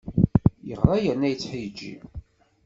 Yeɣra yerna yettḥeǧǧi!